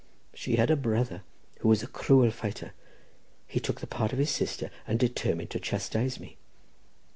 She had a brother, who was a cruel fighter; he took the part of his sister, and determined to chastise me.